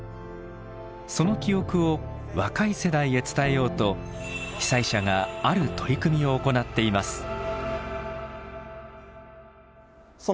その記憶を若い世代へ伝えようと被災者がある取り組みを行っています。